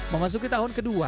memasuki tahun ke dua